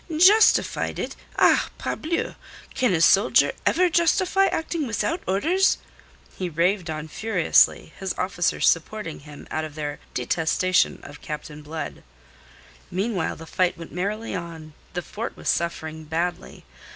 "Justified it! Ah, parbleu! Can a soldier ever justify acting without orders?" He raved on furiously, his officers supporting him out of their detestation of Captain Blood. Meanwhile the fight went merrily on. The fort was suffering badly.